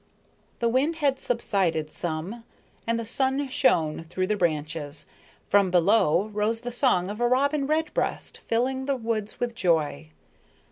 The wind had subsided some, and the sun shone through the branches. From below rose the song of a robin redbreast, filling the woods with joy.